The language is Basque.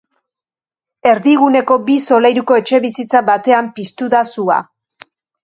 Erdiguneko bi solairuko etxebizitza batean piztu da sua.